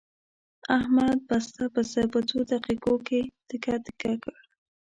احمد بسته پسه په څو دقیقو کې تکه تکه کړ.